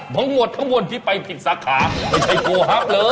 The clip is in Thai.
มองหมดทั้งควบที่ไปผิดรับแผ่นช่าค่ะไม่ใช่โกฮับเลย